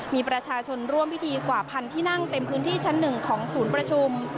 มีประชาชนร่วมพิธีกว่าพันที่นั่งเต็มพื้นที่ชั้น๑ของศูนย์ประชุม